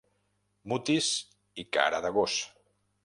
Mutis i cara de gos.